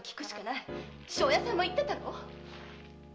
庄屋さんも言ってたろ？